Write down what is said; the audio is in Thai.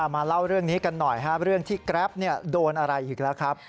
มาเล่าเรื่องนี้กันหน่อยเรื่องที่แกรปโดนอะไรอีกแล้วครับ